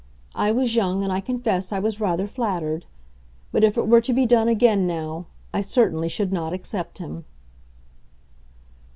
I was young, and I confess I was rather flattered. But if it were to be done again now, I certainly should not accept him."